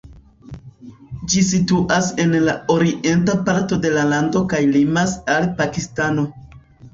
Ĝi situas en la orienta parto de la lando kaj limas al Pakistano.